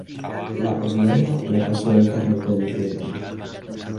La posguerra la pasó en Tarancón y Cuenca.